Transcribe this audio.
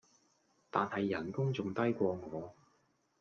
但係人工仲低過我